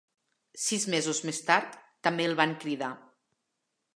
Sis mesos més tard també el van cridar.